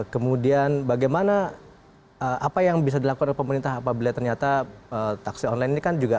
kemudian bagaimana apa yang bisa dilakukan oleh pemerintah apabila ternyata taksi online ini kan juga